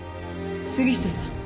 杉下さん